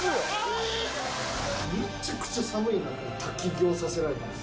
めっちゃくちゃ寒い中、滝行させられたんです。